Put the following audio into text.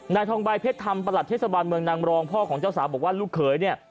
นายทองใบเพชรธรรมประหลัดเทศบาลเมืองนางรองพ่อของเจ้าสาวบอกว่าลูกเขยเนี่ย